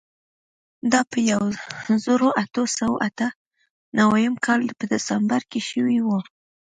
دا په یوه زرو اتو سوو اته نوېم کال په ډسمبر کې شوې وه.